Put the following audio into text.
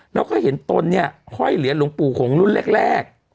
แล้วก็เห็นตนเนี่ยห้อยเลียนลมปู่หงศ์รุ่นแรกแรก